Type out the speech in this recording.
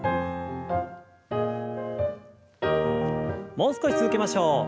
もう少し続けましょう。